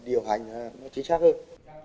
điều hành nó chính xác hơn